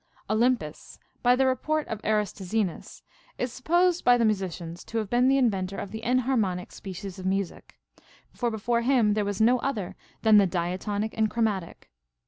11. Olympus, by the report of Aristoxenus, is supposed by the musicians to have been the inventor of the enhar monic species of music ; for before him there was no other than the diatonic and chromatic.